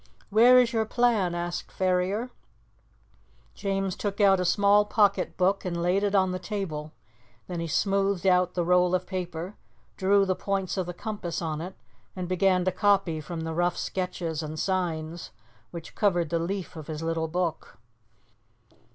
"Where is your plan?" asked Ferrier. James took out a small pocket book and laid it on the table; then he smoothed out the roll of paper, drew the points of the compass on it, and began to copy from the rough sketches and signs which covered the leaf of his little book.